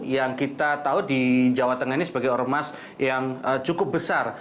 yang kita tahu di jawa tengah ini sebagai ormas yang cukup besar